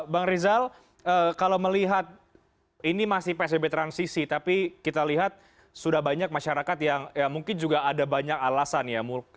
bang rizal kalau melihat ini masih psbb transisi tapi kita lihat sudah banyak masyarakat yang mungkin juga ada banyak alasan ya